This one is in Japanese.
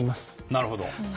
なるほど。